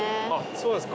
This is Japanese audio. そうなんですか。